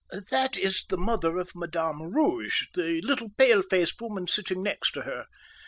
"That is the mother of Madame Rouge, the little palefaced woman sitting next to her.